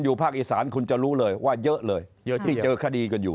อยู่ภาคอีศาลคุณจะรู้เลยว่าเยอะเลยจะเจอคาดีกันอยู่